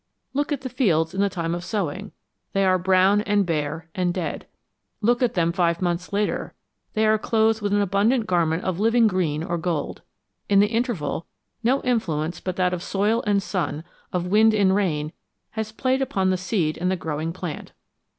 Look at the fields in the time of sowing ; they are brown and bare and dead. Look at them five months later ; they are clothed with an abundant garment of living green or gold. In the interval no influence but that of soil and sun, of wind and rain, has played upon the seed and the growing plant.